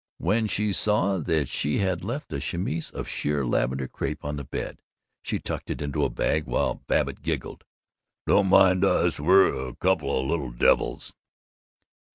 when she saw that she had left a chemise of sheer lavender crêpe on the bed. She tucked it into a bag, while Babbitt giggled, "Don't mind us; we're a couple o' little divvils!"